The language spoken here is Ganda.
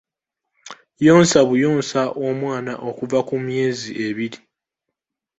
Yonsa buyonsa omwana okuva ku myezi ebiri.